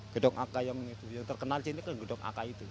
gedok akai yang terkenal di sini kan gedok akai itu